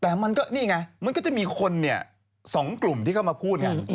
แต่มันก็นี่ไงมันก็จะมีคนเนี่ย๒กลุ่มที่เข้ามาพูดกัน